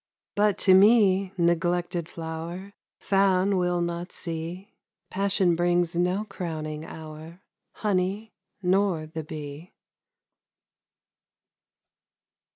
But to me, neglected flower, Phaon will not see, Passion brings no crowning hour, Honey nor the bee.